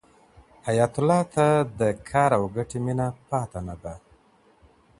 حیات الله ته د کار او ګټې مینه پاتې نه ده.